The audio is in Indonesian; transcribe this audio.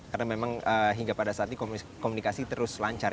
karena memang hingga pada saat ini komunikasi terus lancar ya